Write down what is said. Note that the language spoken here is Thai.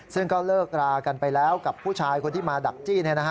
ซึ่งก็เลิกรากันไปแล้วกับผู้ชายคนที่มาดักจี้